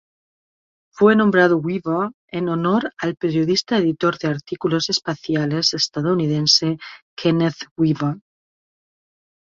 Fue nombrado Weaver en honor al periodista editor de artículos espaciales estadounidense Kenneth Weaver.